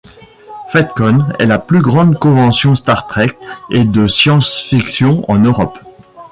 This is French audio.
FedCon est la plus grande convention Star Trek et de science fiction en Europe.